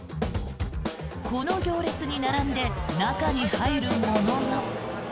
この行列に並んで中に入るものの。